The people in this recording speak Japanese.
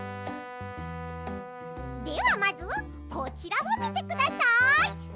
ではまずこちらをみてください。